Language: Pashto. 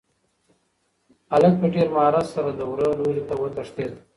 هلک په ډېر مهارت سره د وره لوري ته وتښتېد.